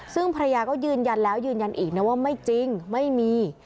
ซึ่งภรรยาก็ยืนยันแล้วยืนยันอีกนะว่าไม่จริงไม่มี